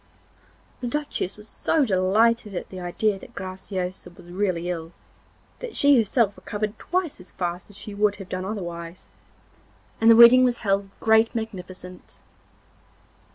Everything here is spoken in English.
The Duchess was so delighted at the idea that Graciosa was really ill, that she herself recovered twice as fast as she would have done otherwise, and the wedding was held with great magnificence.